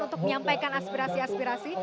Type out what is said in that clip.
untuk menyampaikan aspirasi aspirasi